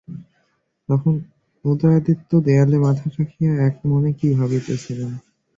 তখন উদয়াদিত্য দেয়ালে মাথা রাখিয়া এক মনে কি ভাবিতেছিলেন।